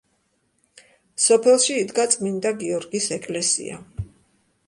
სოფელში იდგა წმინდა გიორგის ეკლესია.